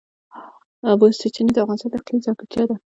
د اوبو سرچینې د افغانستان د اقلیم ځانګړتیا ده.